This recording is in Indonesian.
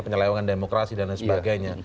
penyelewangan demokrasi dan sebagainya